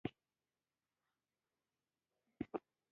• وخت د ژوند د میوې خاوند دی.